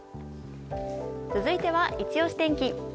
続いては、イチ押し天気。